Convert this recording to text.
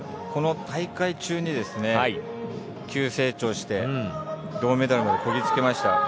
この大会中に急成長して銅メダルにこぎつけました。